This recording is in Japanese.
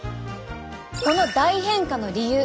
この大変化の理由。